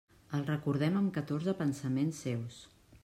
El recordem amb catorze pensaments seus.